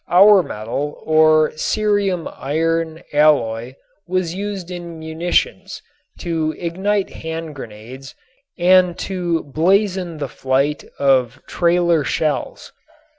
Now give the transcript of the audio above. Auer metal or cerium iron alloy was used in munitions to ignite hand grenades and to blazon the flight of trailer shells.